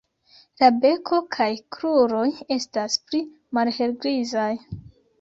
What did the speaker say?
La beko kaj kruroj estas pli malhelgrizaj.